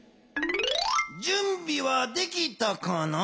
じゅんびはできたかな。